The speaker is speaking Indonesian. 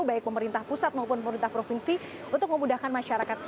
baik pemerintah pusat maupun pemerintah provinsi untuk memudahkan masyarakat